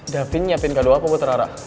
davin nyiapin kado apa buat rara